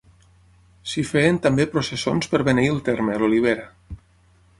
S'hi feien també processons per beneir el terme, l'olivera.